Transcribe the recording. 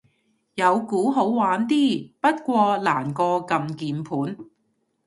有鼓好玩啲，不過難過撳鍵盤